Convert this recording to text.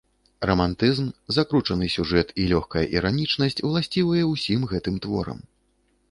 Рамантызм, закручаны сюжэт і лёгкая іранічнасць уласцівыя ўсім гэтым творам.